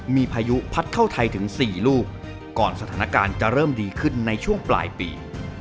มีพายุพัดเข้าไทยถึง๔ลูกก่อนสถานการณ์จะเริ่มดีขึ้นในช่วงปลายปี